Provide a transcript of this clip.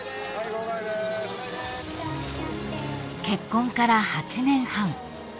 ［結婚から８年半］